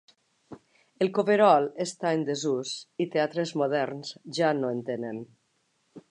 El coverol està en desús i teatres moderns ja no en tenen.